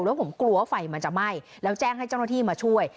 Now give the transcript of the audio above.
แล้วผมกลัวว่าไฟมันจะไหม้แล้วแจ้งให้เจ้าหน้าที่มาช่วย